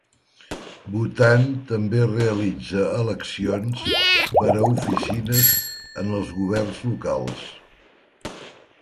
Bhutan també realitza eleccions per a oficines en els governs locals.